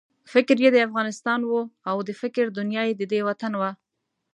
فکر یې د افغانستان وو او د فکر دنیا یې ددې وطن وه.